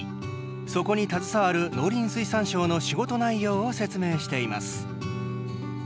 そこに携わる農林水産省の仕事内容を説明しています。